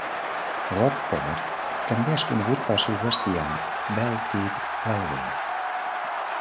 Rockport també és conegut pel seu bestiar Belted Galloway.